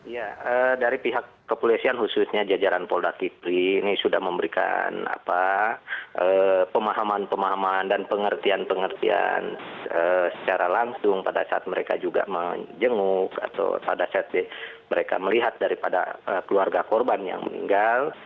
ya dari pihak kepolisian khususnya jajaran polda kipri ini sudah memberikan pemahaman pemahaman dan pengertian pengertian secara langsung pada saat mereka juga menjenguk atau pada saat mereka melihat daripada keluarga korban yang meninggal